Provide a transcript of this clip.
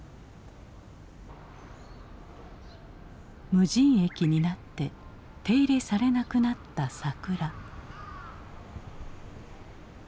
無人駅になって手入れされなくなった桜。